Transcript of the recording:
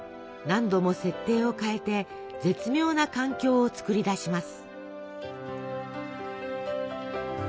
何度も設定を変えて絶妙な環境を作り出します。